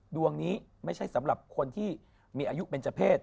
ดวงนี้ไม่ใช่สำหรับคนที่มีอายุเป็นเจ้าเพศ